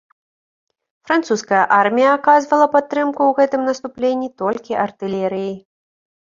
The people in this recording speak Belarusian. Французская армія аказвала падтрымку ў гэтым наступленні толькі артылерыяй.